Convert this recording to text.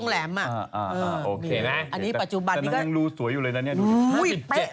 แล้วก็นั้นนางรูสวยอยู่เลยนะดู